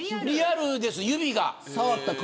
リアルです、指が。